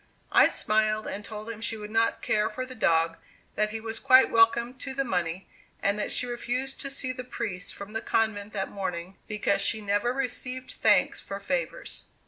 I smiled, and told him she would not care for the dog; that he was quite welcome to the money, and that she refused to see the priests from the convent that morning, because she never received thanks for favors.